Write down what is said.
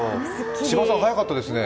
千葉さん、早かったですね。